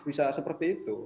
bisa seperti itu